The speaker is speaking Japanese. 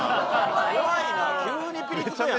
怖いな急にピリつくやん。